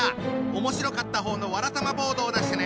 面白かった方のわらたまボードを出してね。